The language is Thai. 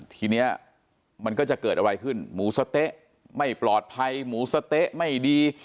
ทีนี้มันก็จะเกิดอะไรขึ้นหมูสะเต๊ะไม่ปลอดภัยหมูสะเต๊ะไม่ดี